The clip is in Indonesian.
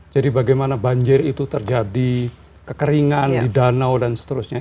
jadi bagaimana banjir itu terjadi kekeringan di danau dan seterusnya